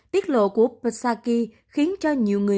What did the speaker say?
tiết lộ của psaki khiến cho nhiều người